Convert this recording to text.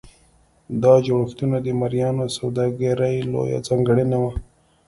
دا جوړښتونه د مریانو سوداګري لویه ځانګړنه وه.